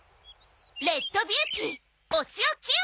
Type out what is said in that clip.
レッドビューティー押尾希世。